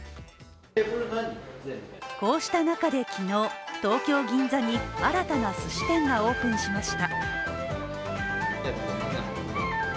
こうした中で昨日、東京・銀座に新たなすし店がオープンしました。